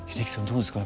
どうですか？